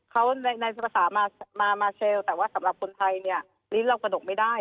เขาในภาษามาเชลแต่ว่าสำหรับคนไทยเนี่ยลิ้นเรากระดกไม่ได้